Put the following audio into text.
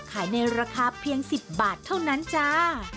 ในราคาเพียง๑๐บาทเท่านั้นจ้า